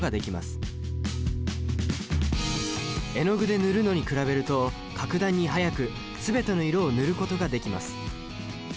絵の具で塗るのに比べると格段に速く全ての色を塗ることができます。